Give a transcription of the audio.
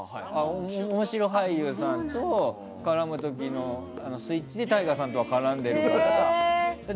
面白俳優さんと絡む時のスイッチでＴＡＩＧＡさんとは絡んでるから。